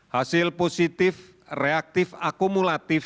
hasil positif reaktif akumulatif